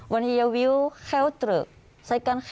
ฟังเหรอ